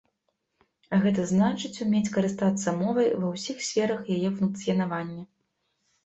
А гэта значыць, умець карыстацца мовай ва ўсіх сферах яе функцыянавання.